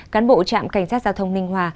cán bộ trạm cảnh sát giao thông ninh hòa